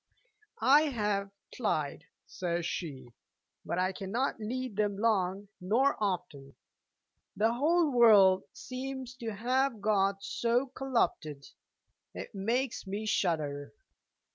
'I have tlied,' says she: 'but I cannot lead them long, nor often. The whole world seems to have got so collupted. It makes me shudder.'